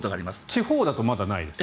地方だとまだないですか？